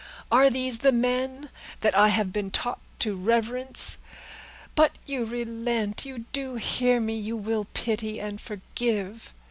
Are these the men that I have been taught to reverence? But you relent, you do hear me, you will pity and forgive."